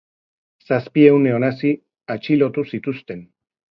Zazpiehun neonazi atxilotu zituzten.